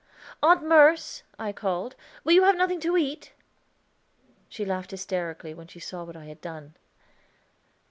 "Aunt Merce," I called, "will you have nothing to eat?" She laughed hysterically, when she saw what I had done.